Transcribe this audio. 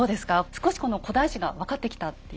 少しこの古代史が分かってきたっていう。